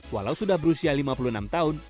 walau sudah berusia lima puluh enam tahun